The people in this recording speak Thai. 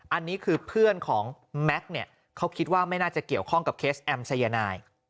อันนี้คือเพื่อนของแม็กซ์เนี่ยเขาคิดว่าไม่น่าจะเกี่ยวข้องกับเคสแอมสายนาย